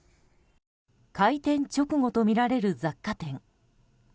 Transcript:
開店直後とみられる雑貨店。